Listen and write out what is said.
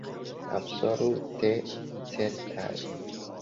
Absolute certaj.